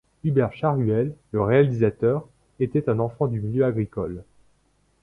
Hubert Charuel, le réalisateur, est un enfant du milieu agricole.